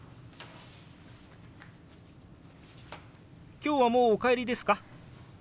今日はもうお帰りですか？